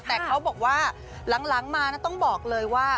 แต่เขาบอกว่าหลังมาต้องบอกเลยว่า